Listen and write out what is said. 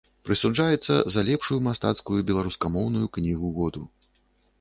Прысуджаецца за лепшую мастацкую беларускамоўную кнігу году.